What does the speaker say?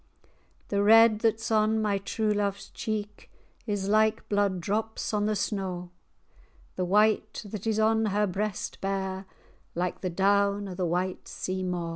[#] soon. The red that's on my true love's cheek Is like blood drops on the snaw; The white that is on her breast bare, Like the down o' the white sea maw.